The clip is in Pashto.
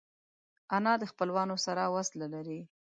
انا د خپلوانو سره وصله لري